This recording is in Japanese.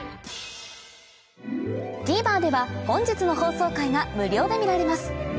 ＴＶｅｒでは本日の放送回が無料で見られます